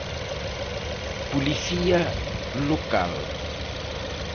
Policía Local.